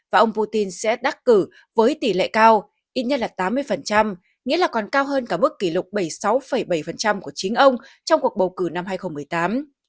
và ông putin sẽ đắc cử với tỷ lệ cao ít nhất là tám mươi nghĩa là còn cao hơn cả mức kỷ lục bảy mươi sáu bảy của chính ông trong cuộc bầu cử năm hai nghìn một mươi tám